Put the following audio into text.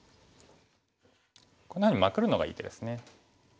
こんなふうにマクるのがいい手ですね。